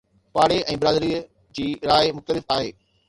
پاڙي ۽ برادريءَ جي راءِ مختلف آهي.